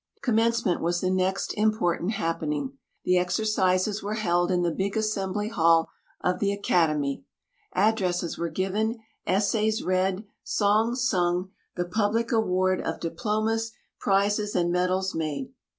Commencement was the next important happening. The exercises were held in the big assembly hall of the Academy. Addresses were given, essays read, songs sung, the public award of diplomas, prizes and medals made.